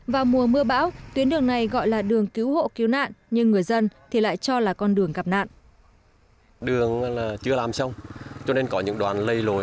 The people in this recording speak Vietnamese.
vào mùa mưa bão tuyến đường này gọi là đường cứu hộ cứu nạn nhưng người dân thì lại cho là con đường gặp nạn